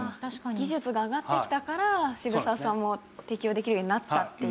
技術が上がってきたから渋沢さんも適応できるようになったっていう。